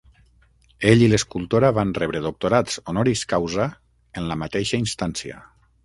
Ell i l'escultora van rebre doctorats honoris causa en la mateixa instància.